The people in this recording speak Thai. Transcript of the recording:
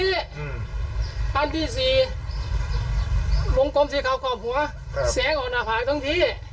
อืมคราวที่สี่วงกลมสิเขาขอบหัวครับแสงออกหน้าฝากตั้งที